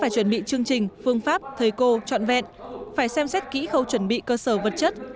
chương trình phương pháp thời cô chọn vẹn phải xem xét kỹ khâu chuẩn bị cơ sở vật chất